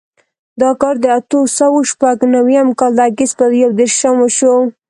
دا کار د اتو سوو شپږ نوېم کال د اګست په یودېرشم وشو.